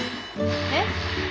えっ？